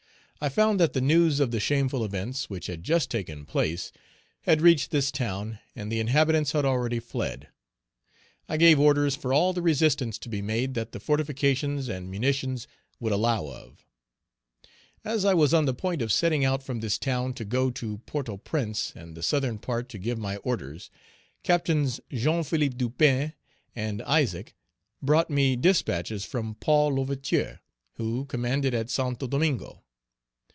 I found that the news of the shameful events which had just taken place had reached this town, and the inhabitants had already fled. I gave orders for all the resistance to be made that the fortifications and munitions would allow of. As I was on the point of setting out from this town to go to Port au Prince and the southern part to give my orders, Captains Jean Philippe Dupin and Isaac brought me dispatches from Paul L'Ouverture, who commanded at Santo Domingo.